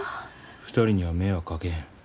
２人には迷惑かけへん。